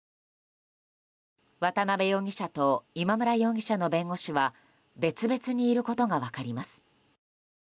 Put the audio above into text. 渡邉容疑者と今村容疑者の弁護士は別々にいることが分かります。